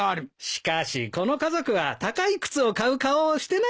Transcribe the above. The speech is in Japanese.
しかしこの家族は高い靴を買う顔をしてないからな。